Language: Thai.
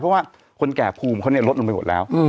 เพราะว่าคนแก่ภูมิเขาลดลงไปหมดแล้ว